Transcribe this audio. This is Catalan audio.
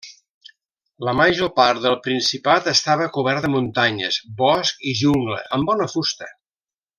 La major part del principat estava cobert de muntanyes, bosc i jungla, amb bona fusta.